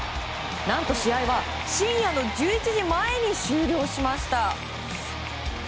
何と試合は深夜の１１時前に終了しました。